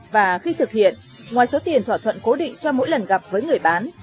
và khi thực hiện ngoài số tiền thỏa thuận cố định cho mỗi lần gặp với người bán